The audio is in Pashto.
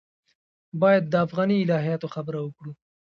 باید د افغاني الهیاتو خبره وکړو.